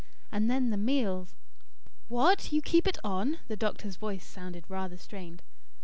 And then the meals " "What! You keep it on?" The doctor's voice sounded rather strained.